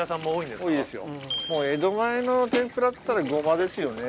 江戸前の天ぷらっつったらごまですよね。